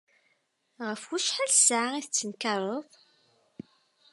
Ɣef wacḥal ssaεa i d-tettnekkareḍ?